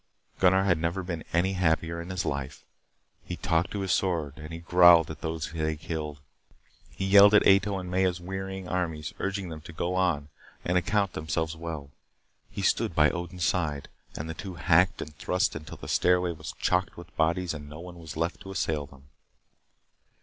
Gunnar had never been any happier in his life. He talked to his sword and he growled at those that he killed. He yelled at Ato's and Maya's wearying armies, urging them to go on and account themselves well. He stood by Odin's side, and the two hacked and thrust until the stairway was chocked with bodies and no one was left to assail them.